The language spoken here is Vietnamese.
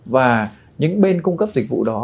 và những bên cung cấp dịch vụ đó